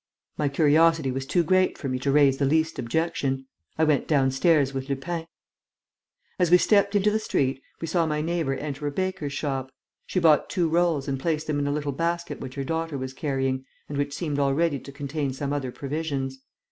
My curiosity was too great for me to raise the least objection. I went downstairs with Lupin. As we stepped into the street, we saw my neighbour enter a baker's shop. She bought two rolls and placed them in a little basket which her daughter was carrying and which seemed already to contain some other provisions.